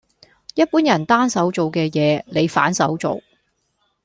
一般人單手做嘅嘢，你反手做